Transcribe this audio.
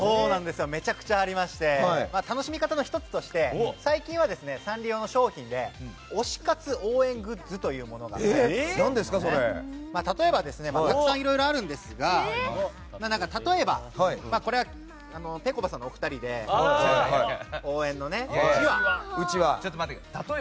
めちゃくちゃありまして楽しみ方の１つとして最近はサンリオの商品で推し活応援グッズというものがありましてたくさんいろいろあるんですが例えばこれはぺこぱさんのお二人でちょっと待ってください。